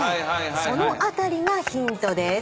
その辺りがヒントです。